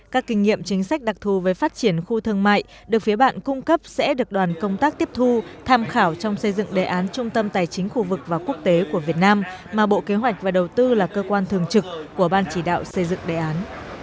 các kinh nghiệm chính sách đặc thù về phát triển khu thương mại được phía bạn cung cấp sẽ được đoàn công tác tiếp thu tham khảo trong xây dựng đề án trung tâm tài chính khu vực và quốc tế của việt nam mà bộ kế hoạch và đầu tư là cơ quan thường trực của ban chỉ đạo xây dựng đề án